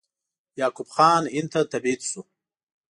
یعقوب خان هند ته تبعید شو.